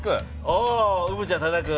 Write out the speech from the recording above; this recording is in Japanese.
おうぶちゃん多田君。